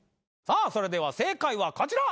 それでは正解はこちら！